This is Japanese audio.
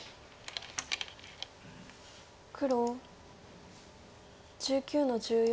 黒１９の十四。